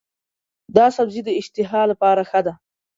دا سبزی د اشتها لپاره ښه دی.